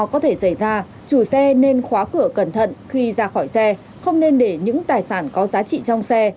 có thể xảy ra chủ xe nên khóa cửa cẩn thận khi ra khỏi xe không nên để những tài sản có giá trị trong xe